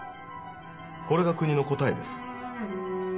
これが国の答えです。